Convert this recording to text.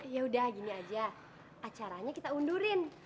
yaudah gini aja acaranya kita undurin